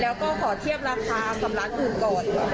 แล้วก็ขอเทียบราคากับร้านอื่นก่อน